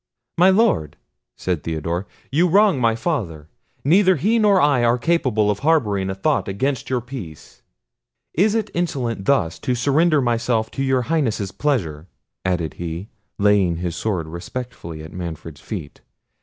"My Lord," said Theodore, "you wrong my father: neither he nor I are capable of harbouring a thought against your peace. Is it insolence thus to surrender myself to your Highness's pleasure?" added he, laying his sword respectfully at Manfred's feet.